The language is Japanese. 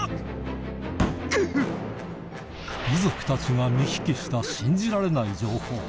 遺族たちが見聞きした信じられない情報